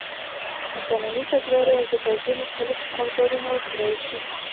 متنوع تګلارې او د توضیح مختلف اوزارونه وکارول شي.